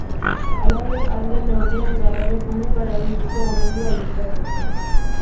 Halaber, ahal den neurrian garraio publikoa erabiltzeko gomendioa luzatu du.